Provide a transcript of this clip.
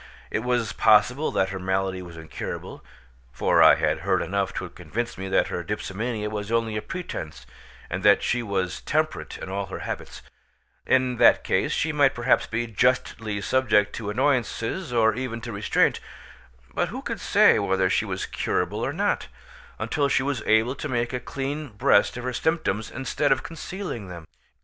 It was possible that her malady was incurable (for I had heard enough to convince me that her dipsomania was only a pretence and that she was temperate in all her habits); in that case she might perhaps be justly subject to annoyances or even to restraint; but who could say whether she was curable or not, until she was able to make a clean breast of her symptoms instead of concealing them?